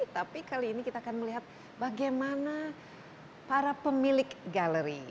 tapi kali ini kita akan melihat bagaimana para pemilik galeri